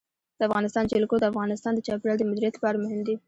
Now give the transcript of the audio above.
د افغانستان جلکو د افغانستان د چاپیریال د مدیریت لپاره مهم دي.